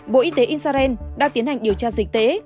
bộ y tế israel đã tiến hành điều tra dịch tễ